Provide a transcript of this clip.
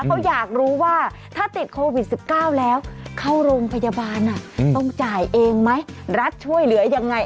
เขาอยากรู้ว่าถ้าติดโควิด๑๙แล้วเข้าโรงพยาบาลต้องจ่ายเองไหมรัฐช่วยเหลือยังไง